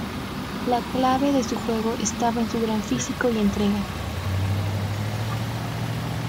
La clave de su juego estaba en su gran físico y entrega.